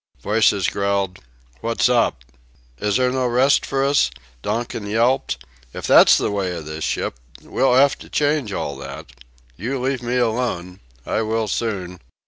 Voices growled: "What's up?... Is there no rest for us?" Donkin yelped: "If that's the way of this ship, we'll 'ave to change all that.... You leave me alone.... I will soon...."